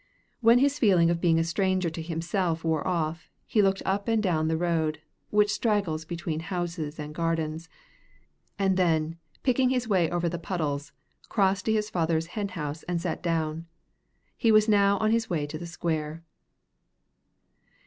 When his feeling of being a stranger to himself wore off, he looked up and down the road, which straggles between houses and gardens, and then, picking his way over the puddles, crossed to his father's hen house and sat down on it. He was now on his way to the square.